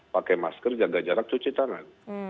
pakai masker jaga jarak cuci tangan